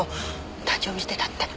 立ち読みしてたって。